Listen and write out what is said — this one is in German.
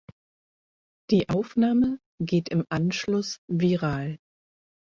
Die Aufnahme geht im Anschluss viral.